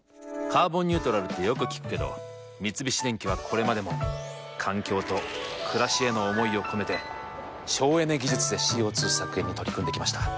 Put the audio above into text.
「カーボンニュートラル」ってよく聞くけど三菱電機はこれまでも環境と暮らしへの思いを込めて省エネ技術でＣＯ２削減に取り組んできました。